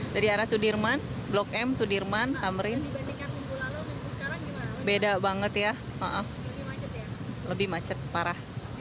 di daerah mana